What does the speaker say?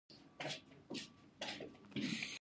آیا د المونیم فابریکې په کاناډا کې نه دي؟